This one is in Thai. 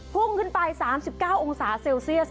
พุ่งขึ้นไป๓๙องศาเซลเซียส